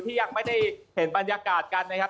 ยังไม่ได้เห็นบรรยากาศกันนะครับ